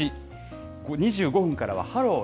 ７時２５分からはハロー！